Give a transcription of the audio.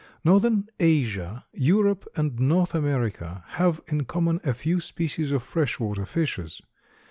Northern Asia, Europe and North America have in common a few species of fresh water fishes.